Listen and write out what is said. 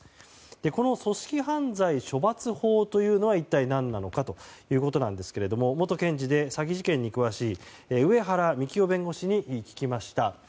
この組織犯罪処罰法とは何なのかということですが元検事で詐欺事件に詳しい上原幹男弁護士に聞きました。